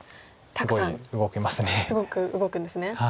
たくさんすごく動くんですね。